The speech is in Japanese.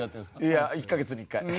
いや１カ月に１回。